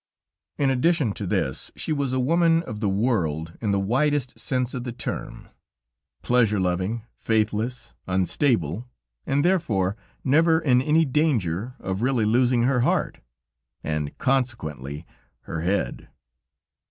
In addition to this, she was a woman of the world in the widest sense of the term; pleasure loving, faithless, unstable, and therefore never in any danger of really losing her heart, and consequently her head.